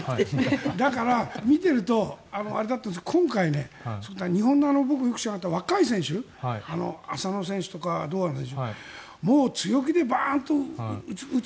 だから、見ているとあれだったんですけど今回ね、日本の若い選手浅野選手とか堂安選手強気でバーンと打つ。